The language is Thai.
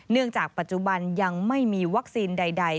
จากปัจจุบันยังไม่มีวัคซีนใด